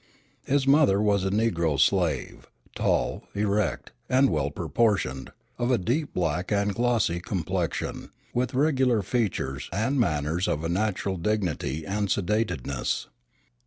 His mother was a negro slave, tall, erect, and well proportioned, of a deep black and glossy complexion, with regular features, and manners of a natural dignity and sedateness.